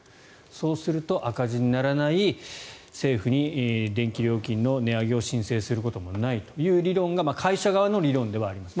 そうすると、赤字にならない政府に電気料金の値上げを申請することもないという理論が会社側の理論ではあります。